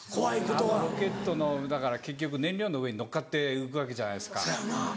あのロケットのだから結局燃料の上に乗っかって浮くわけじゃないですか。